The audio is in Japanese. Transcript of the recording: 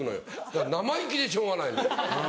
だから生意気でしょうがないのよ。